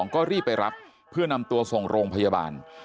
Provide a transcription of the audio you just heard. ก็รีบไปรับเพื่อนำตัวส่งโรงพยาบาล